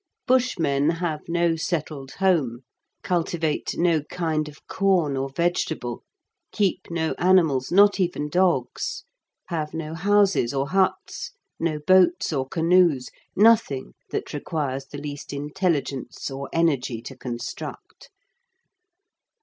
Bushmen have no settled home, cultivate no kind of corn or vegetable, keep no animals, not even dogs, have no houses or huts, no boats or canoes, nothing that requires the least intelligence or energy to construct.